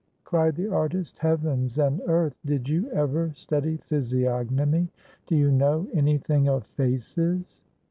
cried the artist. "Heavens and earth! Did you ever study physiognomy? Do you know any thing of faces?"